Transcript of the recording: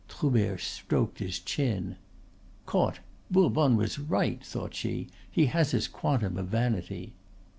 Troubert stroked his chin. ("Caught! Bourbonne was right!" thought she; "he has his quantum of vanity!")